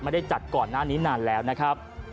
ไม่ได้จัดก่อนหน้านี้นานแล้วนะครับ